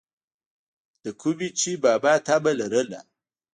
دَکومې چې بابا طمع لرله،